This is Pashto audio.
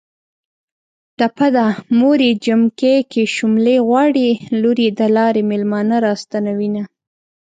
ټپه ده.: موریې جمکی کې شوملې غواړي ــــ لوریې د لارې مېلمانه را ستنوینه